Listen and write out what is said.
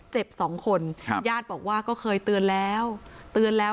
เจ็บสองคนครับญาติบอกว่าก็เคยเตือนแล้ว